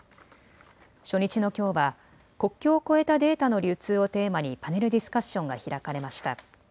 初日のきょうは国境を越えたデータの流通をテーマにパネルディスカッションが開かれました。